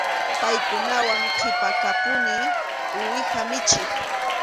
Paykunawan qhipakapuni uwiha michiq.